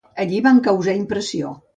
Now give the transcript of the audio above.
Allí van causar impressió.